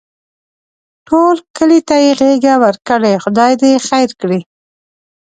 ټول کلي ته یې غېږه ورکړې؛ خدای خیر کړي.